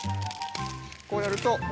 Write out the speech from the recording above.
こうやると。